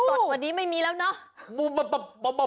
สดกว่านี้ไม่มีแล้วเนาะ